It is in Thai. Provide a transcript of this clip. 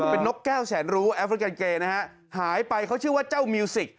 เป็นนกแก้วแสนรู้แอฟริกันเกย์นะฮะหายไปเขาชื่อว่าเจ้ามิวสิก